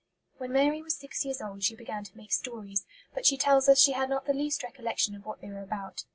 When Mary was six years old she began to make stories, but she tells us she had not the least recollection of what they were about.